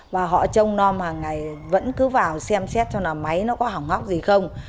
và họ trông nó mà ngày vẫn cứ vào xem xét cho là máy nó có hỏng hóc gì không